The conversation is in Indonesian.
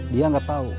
dia nggak tahu